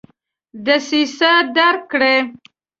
دسیسه درک کړي.